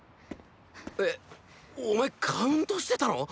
エお前カウントしてたの！？